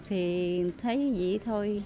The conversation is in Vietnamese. thì thấy cái gì thì thôi